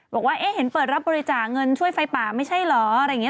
บอกว่าเอ๊ะเห็นเปิดรับบริจาคเงินช่วยไฟป่าไม่ใช่เหรออะไรอย่างนี้